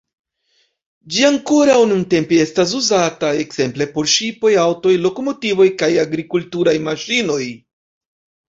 Ĝi ankoraŭ nuntempe estas uzata ekzemple por ŝipoj, aŭtoj, lokomotivoj kaj agrikulturaj maŝinoj.